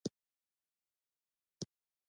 د ځوانانو پټ استعدادونه راڅرګندوي په پښتو ژبه.